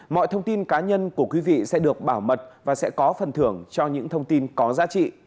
mọi thông tin cá nhân của quý vị sẽ được bảo mật và sẽ có phần thưởng cho những thông tin có giá trị